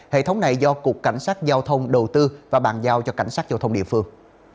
hệ thống này do cục cảnh sát giao thông đầu tư và bàn giao cho cảnh sát giao thông địa phương